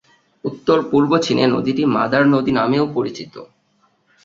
উত্তর-পূর্ব চীনে নদীটি "মাদার নদী" নামেও পরিচিত।